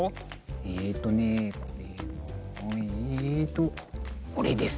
えっとねえっとこれです。